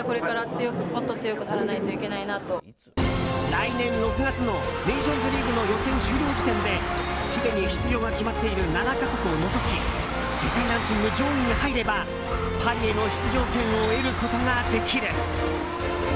来年６月のネーションズリーグの予選終了時点ですでに出場が決まっている７か国を除き世界ランキング上位に入ればパリへの出場権を得ることができる。